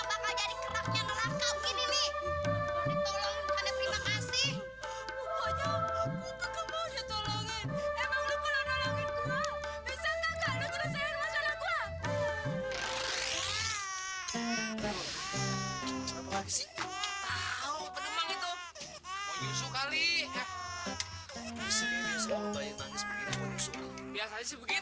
ya allah ya allah emang lu pernah nolongin gua bisa enggak lu selesaikan masalah gua